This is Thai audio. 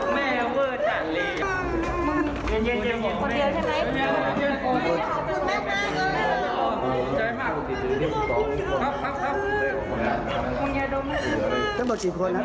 ไม่คล้ายจริงลงมาแล้วยองทีเร็วค่ะ